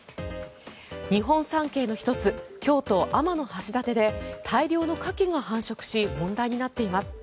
日本三景の１つ京都・天橋立で大量のカキが繁殖し問題になっています。